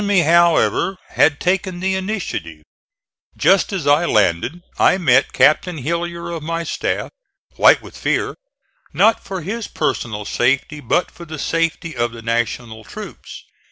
Smith. The enemy, however, had taken the initiative. Just as I landed I met Captain Hillyer of my staff, white with fear, not for his personal safety, but for the safety of the National troops.